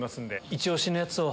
イチ押しのやつを。